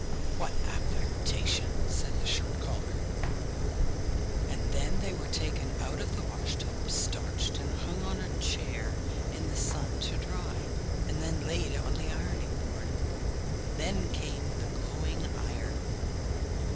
'What affectation!' said the shirt collar. And then they were taken out of the wash tub, starched, and hung on a chair in the sun to dry, and then laid on the ironing board. Then came the glowing iron.